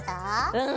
うん！